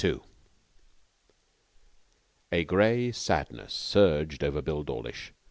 2 A grey sadness surged over Bill Dawlish.